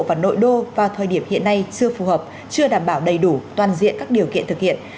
và nội đô vào thời điểm hiện nay chưa phù hợp chưa đảm bảo đầy đủ toàn diện các điều kiện thực hiện